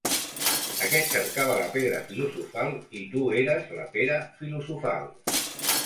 Aquest cercava la pedra filosofal i tu eres la pera filosofal.